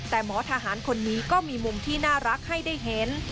แต่หมอทหารคนนี้ก็มีมุมที่น่ารักให้ได้เห็น